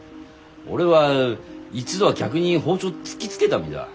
俺は一度は客に包丁突きつけた身だ。